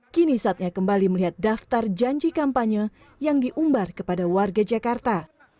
kini saatnya kembali melihat daftar janji kampanye yang diumbar kepada warga jakarta